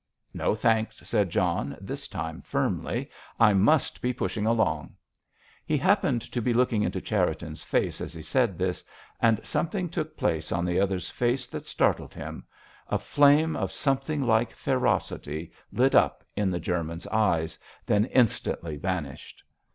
"No, thanks," said John, this time firmly. "I must be pushing along." He happened to be looking into Cherriton's face as he said this, and something took place on the other's face that startled him—a flame of something like ferocity lit up in the German's eyes, then instantly vanished.